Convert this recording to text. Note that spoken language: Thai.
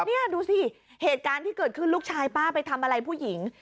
นี่ดูสิเหตุการณ์ที่เกิดขึ้นลูกชายป้าไปทำอะไรผู้หญิง